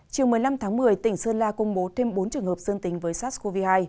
chiều một mươi năm tháng một mươi tỉnh sơn la công bố thêm bốn trường hợp dương tính với sars cov hai